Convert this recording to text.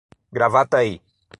Gravataí